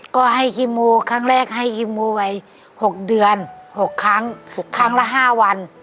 ก็ให้กิโมครั้งแรกให้กิโมไว้หกเดือนหกครั้งหกครั้งละห้าวัน